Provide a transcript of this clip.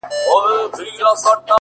چي دي شراب! له خپل نعمته ناروا بلله!